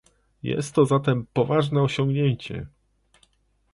Jest to zatem poważne osiągnięcie